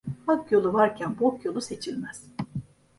Hak yolu varken bok yolu seçilmez.